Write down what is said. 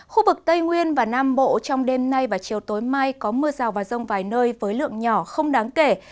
khu vực tây nguyên và nam bộ trong đêm nay và chiều tối mai có mưa rào và rông vài nơi với lượng nhỏ không đáng kể